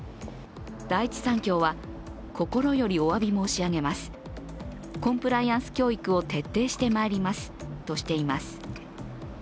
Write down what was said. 第一三共は、心よりおわび申し上げます、コンプライアンス教育を徹底してまいりますとしています。